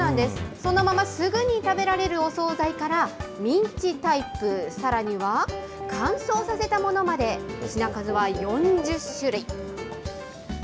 そのまますぐに食べられるお総菜から、ミンチタイプ、さらには乾燥させたものまで、品数は４０種類。